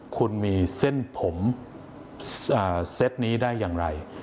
คุณมีเส้นผมเซตนี้ได้อย่างไร